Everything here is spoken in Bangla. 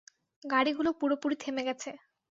গাড়িগুলো পুরোপুরি থেমে গেছে।